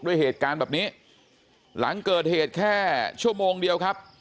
ด้วยเหตุการณ์แบบนี้หลังเกิดเหตุแค่ชั่วโมงเดียวครับ